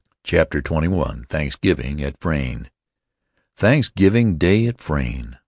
CHAPTER XXI THANKSGIVING AT FRAYNE Thanksgiving Day at Frayne!